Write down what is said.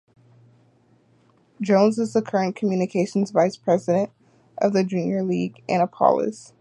Jones is the current communications vice president for the Junior League of Annapolis.